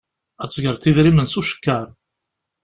Ad d-tegreḍ idrimen s ucekkaṛ.